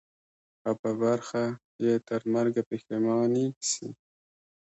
او په برخه یې ترمرګه پښېماني سي